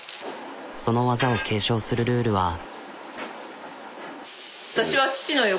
その技を継承するルールは。